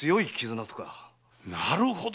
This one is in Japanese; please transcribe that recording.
なるほど！